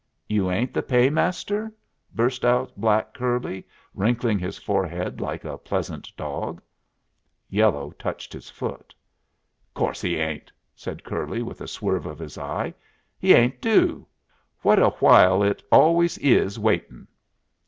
"You ain't the paymaster?" burst out black curly, wrinkling his forehead like a pleasant dog. Yellow touched his foot. "Course he ain't!" said curly, with a swerve of his eye. "He ain't due. What a while it always is waitin'!"